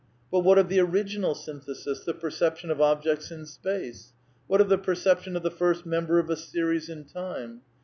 But what of the original synthesis — the perception of objects in space? What of the perception of the first member of a series in time?